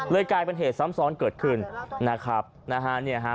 กลายเป็นเหตุซ้ำซ้อนเกิดขึ้นนะครับนะฮะเนี่ยฮะ